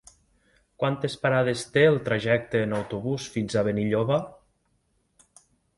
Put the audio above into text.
Quantes parades té el trajecte en autobús fins a Benilloba?